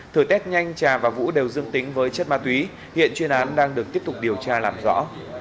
thời tết nhanh trà và vũ đều dương tính với chất ma túy hiện chuyên án đang được tiếp tục điều tra làm rõ